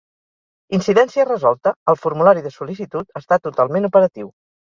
Incidència resolta, el formulari de sol·licitud està totalment operatiu.